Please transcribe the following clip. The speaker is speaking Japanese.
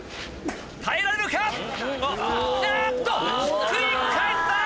耐えられるか⁉あっとひっくり返った！